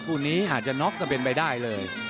คู่นี้อาจจะน็อกก็เป็นไปได้เลย